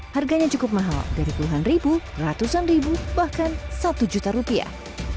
harganya cukup mahal dari puluhan ribu ratusan ribu bahkan satu juta rupiah